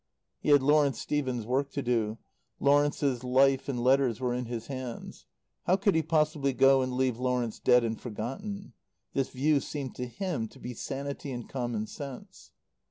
He had Lawrence Stephen's work to do; Lawrence's Life and Letters were in his hands. How could he possibly go and leave Lawrence dead and forgotten? This view seemed to him to be sanity and common sense.